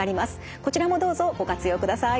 こちらもどうぞご活用ください。